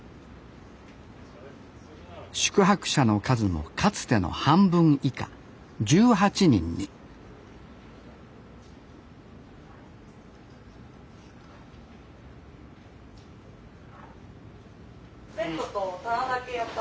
宿泊者の数もかつての半分以下１８人にベッドと棚だけやった。